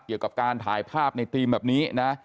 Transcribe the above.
เกี่ยวกับการถ่ายภาพในธีมแบบนี้นะ